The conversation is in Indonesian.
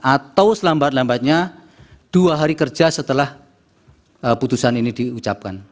atau selambat lambatnya dua hari kerja setelah putusan ini diucapkan